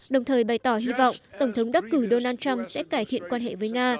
đồng thời bày tỏ hy vọng tổng thống đắc cử donald trump sẽ cải thiện quan hệ với nga